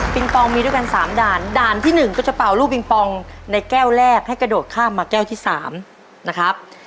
ปองมีด้วยกันสามด่านด่านที่หนึ่งก็จะเป่าลูกปิงปองในแก้วแรกให้กระโดดข้ามมาแก้วที่สามนะครับ